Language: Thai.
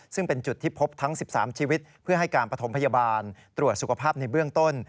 ซึ่งเป็นจุดที่พบทั้ง๑๓ชีวิตเพื่อให้การประถมพยาบาลตรวจสุขภาพในเบื้องต้น